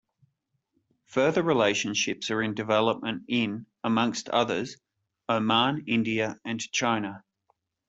Further relationships are in development in, amongst others Oman, India and China.